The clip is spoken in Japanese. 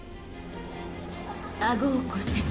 あごを骨折。